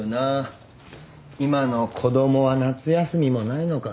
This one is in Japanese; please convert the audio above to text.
今の子供は夏休みもないのか。